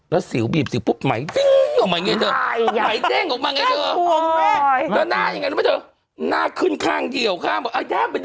แล้วสิวบีบสิวปุ๊บไหมฟิ้งออกมาอย่างเงี้ยเถอะ